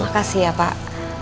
makasih ya pak